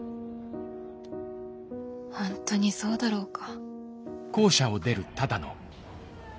ほんとにそうだろうか。